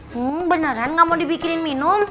hmm beneran gak mau dibikinin minum